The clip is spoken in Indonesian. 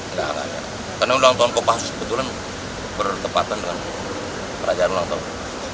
enggak enggak jadi karena dolang tahun kopasuh sebetulnya bertepatan dengan perajaran dolang tahun